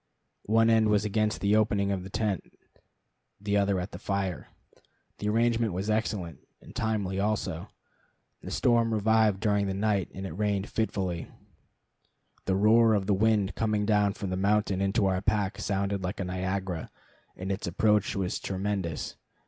One end was against the opening of the tent, the other at the fire. The arrangement was excellent, and timely also. The storm revived during the night, and it rained fitfully. The roar of the wind coming down from the mountain into our park sounded like a Niagara, and its approach was tremendous.